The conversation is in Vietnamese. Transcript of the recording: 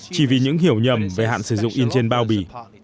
chỉ vì những hiểu nhầm về hạn sử dụng in trên bao bì